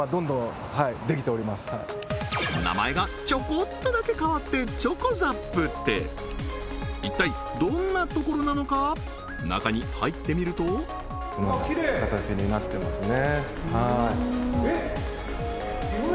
名前がチョコっとだけ変わってチョコザップって一体どんなところなのか中に入ってみるとこのような形になってますね